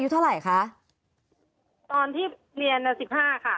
มันเป็นอาหารของพระราชา